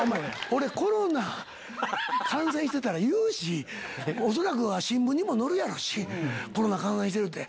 俺コロナ感染してたら言うし恐らくは新聞にも載るやろうしコロナ感染してるって。